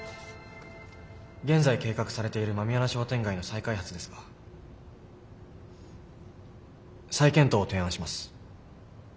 現在計画されている狸穴商店街の再開発ですが再検討を提案します。